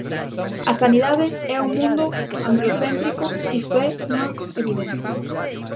A sanidade é un mundo androcéntrico, isto é unha evidencia.